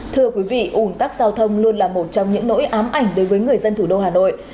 thưa quý vị ủn tắc giao thông luôn là một trong những nỗi ám ảnh đối với người dân thủ đô hà nội